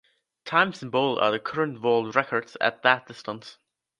Times in bold are the current world records at that distance.